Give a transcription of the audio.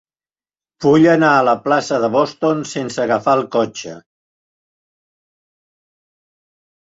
Vull anar a la plaça de Boston sense agafar el cotxe.